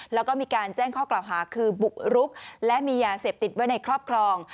แล้วก็มีการแจ้งข้อกล่าวหาคือบุกรุกและมียาเสพติดไว้ในครอบครอง